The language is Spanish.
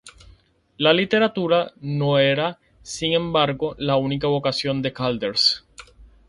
La literatura no era, sin embargo, la única vocación de Calders.